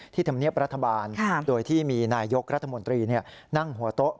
ธรรมเนียบรัฐบาลโดยที่มีนายยกรัฐมนตรีนั่งหัวโต๊ะ